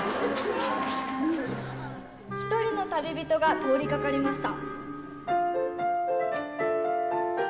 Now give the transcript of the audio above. １人の旅人が通りかかりました。